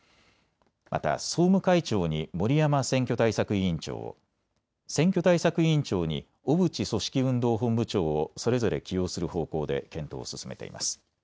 また総務会長に森山選挙対策委員長を、選挙対策委員長に小渕組織運動本部長をそれぞれ起用する方向で検討を進めています。